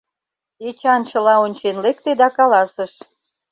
Эчан чыла ончен лекте да каласыш: